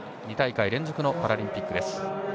２大会連続のパラリンピックです。